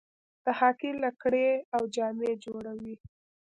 د هاکي لکړې او جامې جوړوي.